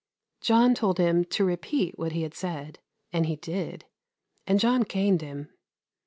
John told him to repeat what he had said, and he did, and John caned him.